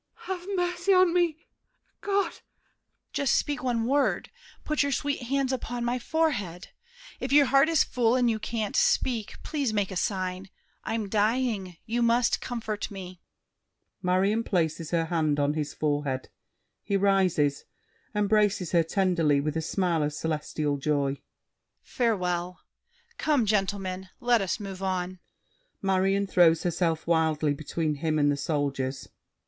MARION (inaudibly). Have mercy on me—God! DIDIER. Just speak one word; put your sweet hands upon My forehead. If your heart is full and you Can't speak, please make a sign. I'm dying; you Must comfort me. [Marion places her hand on his forehead; he rises, embraces her tenderly, with a smile of celestial joy. Farewell! Come, gentlemen! Let us move on! MARION (throws herself wildly between him and the Soldiers).